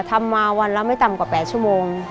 ทำมาวันละไม่ต่ำกว่า๘ชั่วโมง